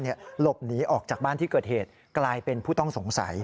หลบหนีออกจากบ้านที่เกิดเหตุกลายเป็นผู้ต้องสงสัย